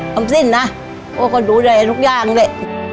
ทำสิ้นนะพวกเขาดูแลทุกอย่างเลย